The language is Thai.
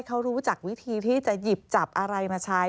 เขารู้จักวิธีที่จะหยิบจับอะไรมาใช้